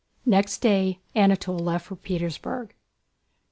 Next day Anatole left for Petersburg.